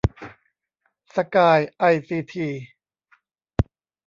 สกาย ไอซีที